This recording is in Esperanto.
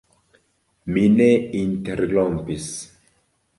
Mi ne interrompis.